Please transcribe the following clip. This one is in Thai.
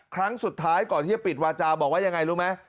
ครั้งสุดท้ายก่อนที่จะปิดวาจาบอกว่ายังไงรู้ไหม